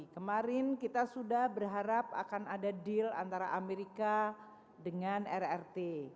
kemarin kita sudah berharap akan ada deal antara amerika dengan rrt